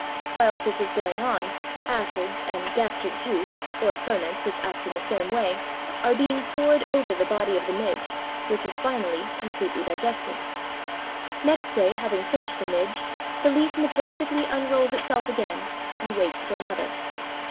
Whilst this is going on acids and "gastric juice," or ferments which act in the same way, are being poured over the body of the midge, which is finally completely digested. Next day, having finished the midge, the leaf majestically unrolls itself again and waits for another.